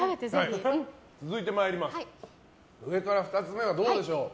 続いて、上から２つ目はどうでしょう。